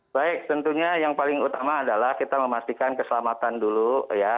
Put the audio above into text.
baik tentunya yang paling utama adalah kita memastikan keselamatan dulu ya